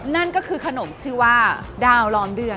นั่นก็คือขนมชื่อว่าดาวล้อมเดือน